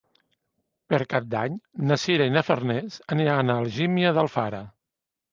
Per Cap d'Any na Sira i na Farners aniran a Algímia d'Alfara.